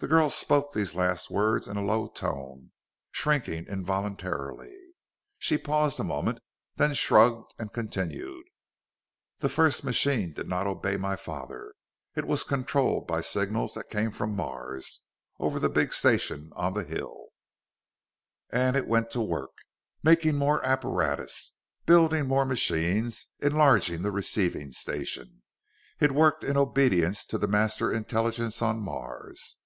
The girl spoke these last words in a low tone, shrinking involuntarily. She paused a moment, then shrugged and continued. "The first machine did not obey my father. It was controlled by signals that came from Mars, over the big station on the hill. And it went to work, making more apparatus, building more machines, enlarging the receiving station. It worked in obedience to the Master Intelligence on Mars!